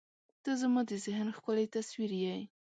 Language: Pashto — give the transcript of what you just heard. • ته زما د ذهن ښکلی تصویر یې.